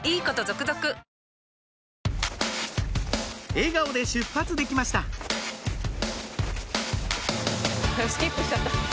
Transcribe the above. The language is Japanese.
笑顔で出発できましたスキップしちゃった。